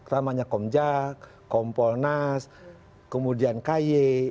namanya komjak kompolnas kemudian ky